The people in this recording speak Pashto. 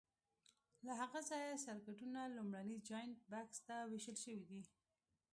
له هغه ځایه سرکټونو لومړني جاینټ بکس ته وېشل شوي دي.